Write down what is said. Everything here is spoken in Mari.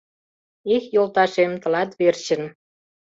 Эх, йолташем, тылат верчын